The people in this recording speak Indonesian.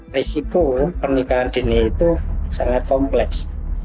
risiko pernikahan dini itu sangat kompleks